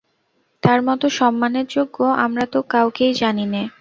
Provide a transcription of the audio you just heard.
তার মতো সম্মানের যোগ্য আমরা তো কাউকেই জানি নে।